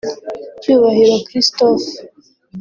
Cyubahiro Christophe